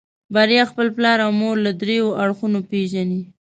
بريا خپل پلار او مور له دريو اړخونو پېژني.